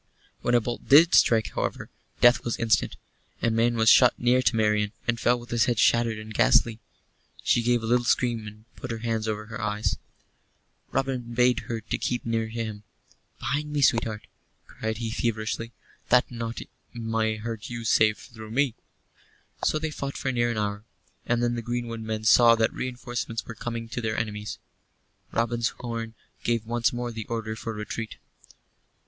When a bolt did strike, however, death was instant. A man was shot near to Marian, and fell with his head shattered and ghastly. She gave a little scream, and put her hands over her eyes. Robin bade her keep near to him "Behind me, sweetheart," cried he, feverishly, "that naught may hurt you save through me." So they fought for near an hour; and then the greenwood men saw that reinforcements were coming to their enemies. Robin's horn gave once more the order for retreat.